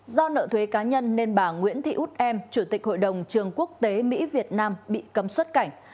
do nợ thuế cá nhân nên bà nguyễn thị út em chủ tịch hội đồng trường quốc tế mỹ việt nam bị cấm xuất cảnh